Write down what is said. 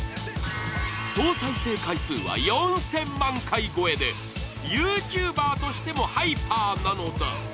総再生回数は４０００万回超えで、ＹｏｕＴｕｂｅｒとしてもハイパーなのだ。